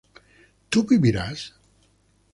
¿tú vivirás?